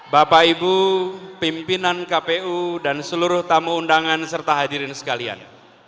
bapak ibu pimpinan kpu dan seluruh tamu undangan serta hadirin sekalian